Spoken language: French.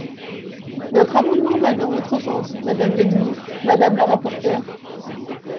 Notre amendement va dans votre sens, madame la ministre, madame la rapporteure.